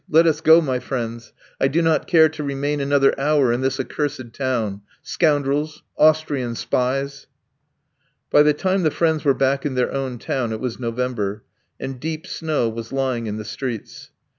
Let us go, my friend; I do not care to remain another hour in this accursed town. Scoundrels! Austrian spies!" By the time the friends were back in their own town it was November, and deep snow was lying in the streets.